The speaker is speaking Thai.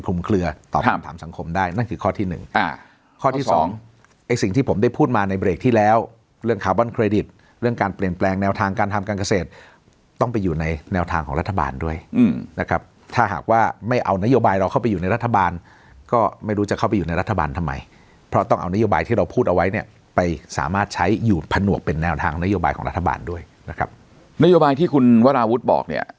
พลุมเคลือตอบคำถามสังคมได้นั่นคือข้อที่หนึ่งอ่าข้อที่สองไอ้สิ่งที่ผมได้พูดมาในเบรกที่แล้วเรื่องคาร์บอนเครดิตเรื่องการเปลี่ยนแปลงแนวทางการทำการเกษตรต้องไปอยู่ในแนวทางของรัฐบาลด้วยอืมนะครับถ้าหากว่าไม่เอานโยบายเราเข้าไปอยู่ในรัฐบาลก็ไม่รู้จะเข้าไปอยู่ในรัฐบาลทำไมเพราะต้องเอ